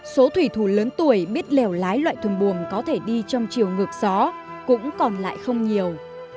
số thủy thủ lớn tuổi biết lèo lái loại thùng buồm có thể đi trong chiều ngược gió cũng còn lại không nhiều